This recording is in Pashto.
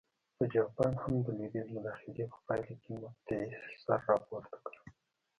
په جاپان هم د لوېدیځ مداخلې په پایله کې مقطعې سر راپورته کړ.